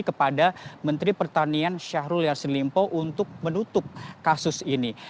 kepada menteri pertanian syahrul yassin limpo untuk menutup kasus ini